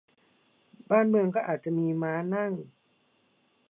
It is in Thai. บางเมืองก็อาจจะมีม้านั่ง